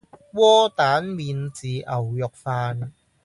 窩蛋免治牛肉飯